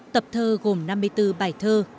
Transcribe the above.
tập thơ gồm năm mươi bốn bài thơ